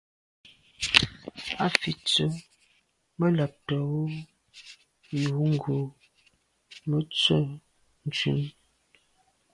A fi tsə. Mə lὰbtə̌ Wʉ̌ yò ghò Mə tswə ntʉ̀n.